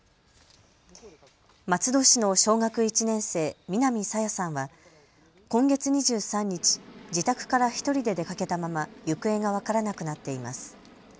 松戸市の小学１年生、南朝芽さんは今月２３日、自宅から１人で出かけたまま行方が分からなくなっています。